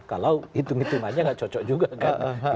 kalau hitung hitung aja nggak cocok juga kan